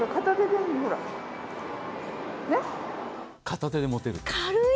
片手で持てる。